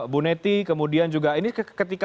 bu neti kemudian juga ini ketika